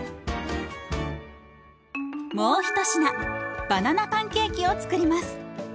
もう一品バナナパンケーキを作ります。